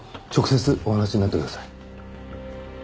直接お話しになってください。